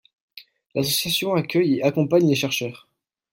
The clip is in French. L’association accueille et accompagne les chercheurs.